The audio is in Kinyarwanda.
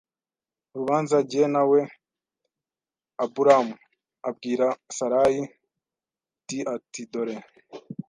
urubanza jye nawe Aburamu abwira Sarayi d ati dore